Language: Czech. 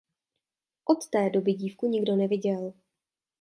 Od té doby dívku nikdo neviděl.